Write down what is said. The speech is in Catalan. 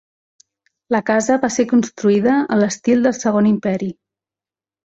La casa va ser construïda en l'estil del Segon Imperi.